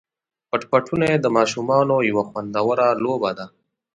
پټ پټوني د ماشومانو یوه خوندوره لوبه ده.